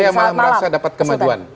sebetulnya begini saya merasa dapat kemajuan